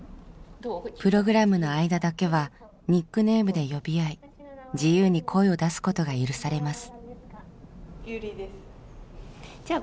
プログラムの間だけはニックネームで呼び合い自由に声を出すことが許されます。